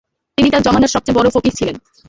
তিনি তার যমানার সবচেয়ে বড় ফক্বীহ ছিলেন।